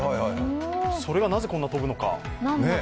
それがなぜこんなに跳ぶのか。